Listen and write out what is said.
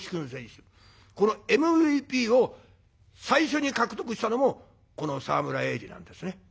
このＭＶＰを最初に獲得したのもこの沢村栄治なんですね。